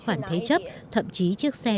khoản thế chấp thậm chí chiếc xe